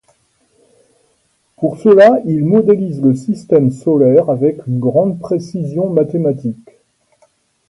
Pour cela, il modélise le système solaire avec une grande précision mathématique.